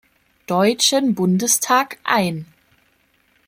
Deutschen Bundestag ein.